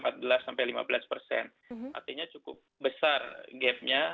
artinya cukup besar gap nya